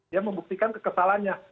ya membuktikan kekesalannya